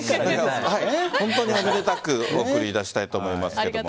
本当におめでたく送り出したいと思いますけども。